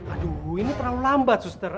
aduh ini terlalu lambat suster